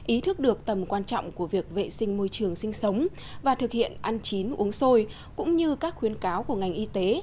ý thức được tầm quan trọng của việc vệ sinh môi trường sinh sống và thực hiện ăn chín uống sôi cũng như các khuyến cáo của ngành y tế